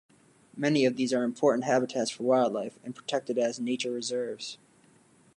Many of these are important habitats for wildlife and protected as nature reserves.